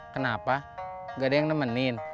kenapa nggak ada yang nemenin